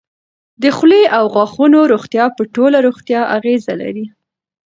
د خولې او غاښونو روغتیا په ټوله روغتیا اغېز لري.